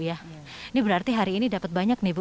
ini berarti hari ini dapat banyak nih bu